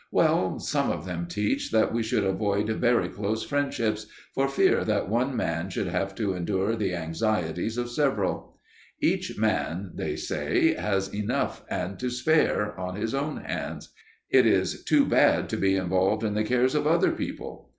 Well, some of them teach that we should avoid very close friendships, for fear that one man should have to endure the anxieties of several. Each man, say they, has enough and to spare on his own hands; it is too bad to be involved in the cares of other people.